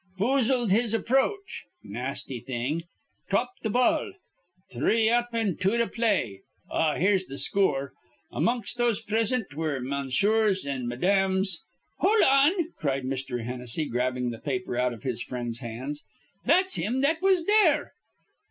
'Foozled his aproach,' nasty thing. 'Topped th' ball.' 'Three up an' two to play.' Ah, here's the scoor. 'Among those prisint were Messrs. an' Mesdames" "Hol' on!" cried Mr. Hennessy, grabbing the paper out of his friend's hands. "That's thim that was there."